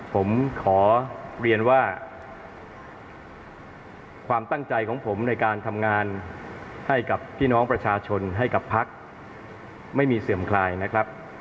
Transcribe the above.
ผมขอเรียนว่าความตั้งใจของผมในการทำงานให้กับพี่น้องประชาชนให้กับพักไม่มีเสื่อมคลายนะครับ